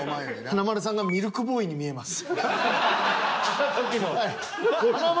華丸さんがミルクボーイに見えます。